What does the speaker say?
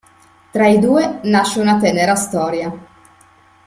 Tra i due nasce una tenera storia.